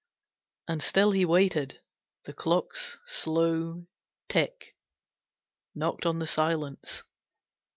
And still he waited. The clock's slow tick Knocked on the silence.